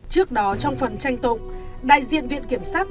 trước đó trong phần tranh tụng đại diện viện kiểm sát